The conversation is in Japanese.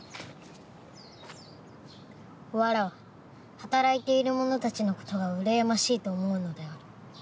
わらわ働いている者たちの事がうらやましいと思うのである。